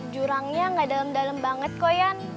jurangnya gak dalem dalem banget koyan